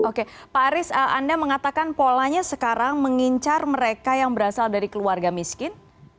oke pak aris anda mengatakan polanya sekarang mengincar mereka yang berasal dari keluarga miskin